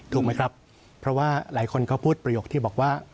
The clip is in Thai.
ถูกไหมครับเพราะว่าหลายคนก็พูดประโยคที่บอกว่า